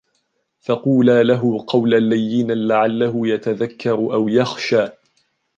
فقولا له قولا لينا لعله يتذكر أو يخشى